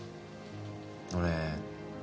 俺